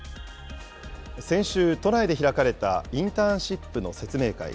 先週、都内で開かれたインターンシップの説明会。